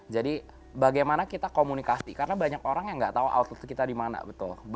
jadi bagaimana kita komunikasi karena banyak orang yang nggak tahu outlet kita dimana betul